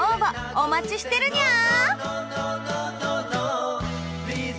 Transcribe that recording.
お待ちしてるニャー！